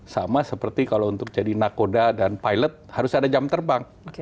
sama seperti kalau untuk jadi nakoda dan pilot harus ada jam terbang